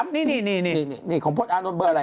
นี่ของพลตอานนท์เบอร์อะไร